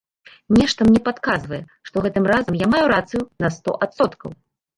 Нешта мне падказвае, што гэтым разам я маю рацыю на сто адсоткаў.